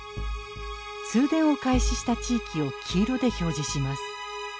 通電を開始した地域を黄色で表示します。